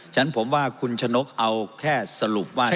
ฉะนั้นผมว่าคุณชะนกเอาแค่สรุปว่า